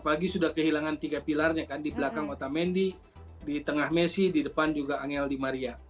pagi sudah kehilangan tiga pilarnya kan di belakang otamendi di tengah messi di depan juga angel di maria